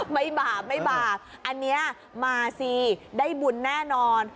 บาปไม่บาปอันนี้มาสิได้บุญแน่นอน